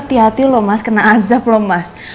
tia tia loh mas kena azab loh mas